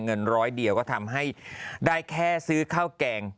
เงินร้อยเดียวก็ทำให้ได้แค่ซื้อข้าวแกง